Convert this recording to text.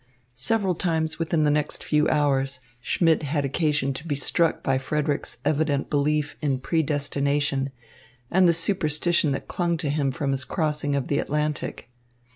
Several times within the next few hours, Schmidt had occasion to be struck by Frederick's evident belief in predestination and the superstition that clung to him from his crossing of the Atlantic.